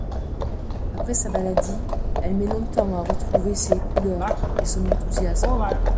Après sa maladie, elle met longtemps à retrouver ses couleurs et son enthousiasme.